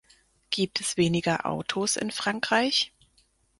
Gibt es weniger Autos in Frankreich?